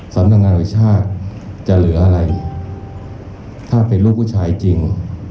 สำนักงานวิชาจะเหลืออะไรถ้าเป็นลูกผู้ชายจริง